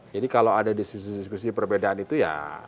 jadi kalau ada diskusi diskusi perbedaan itu ya